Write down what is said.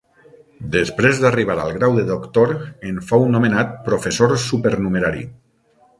Després d'arribar al grau de doctor, en fou nomenat professor supernumerari.